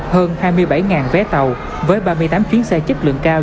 hơn hai mươi bảy vé tàu với ba mươi tám chuyến xe chất lượng cao